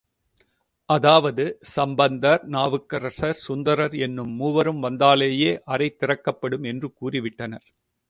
அதாவது, சம்பந்தர், நாவுக்கரசர், சுந்தரர் என்னும் மூவரும் வந்தாலேயே அறை திறக்கப்படும் என்று கூறிவிட்டனர்.